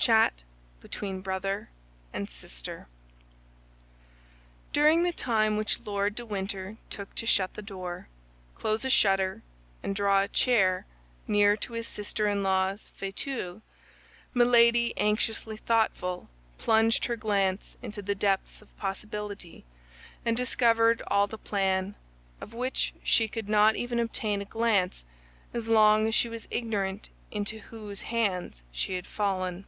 CHAT BETWEEN BROTHER AND SISTER During the time which Lord de Winter took to shut the door, close a shutter, and draw a chair near to his sister in law's fauteuil, Milady, anxiously thoughtful, plunged her glance into the depths of possibility, and discovered all the plan, of which she could not even obtain a glance as long as she was ignorant into whose hands she had fallen.